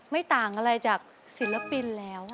ไม่ต่างอะไรจากศิลปินแล้ว